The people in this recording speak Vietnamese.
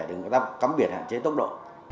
để người ta cắm biển hạn chế tốc độ